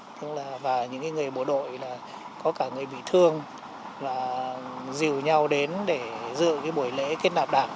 tức là và những người bộ đội là có cả người bị thương là dìu nhau đến để dự cái buổi lễ kết nạp đảng